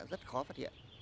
rất khó phát hiện